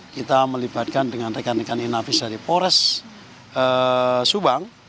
kita melibatkan dengan rekan rekan inavis dari pores subang